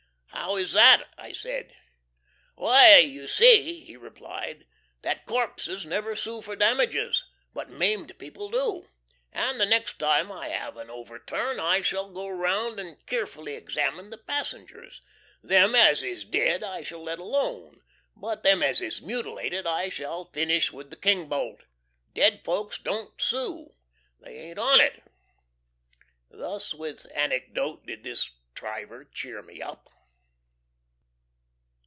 "How is that?" I said. "Why, you see," he replied, "that corpses never sue for damages, but maimed people do. And the next time I have a overturn I shall go round and keerfully examine the passengers. Them as is dead I shall let alone; but them as is mutilated I shall finish with the king bolt! Dead folks don't sue. They ain't on it." Thus with anecdote did this driver cheer me up.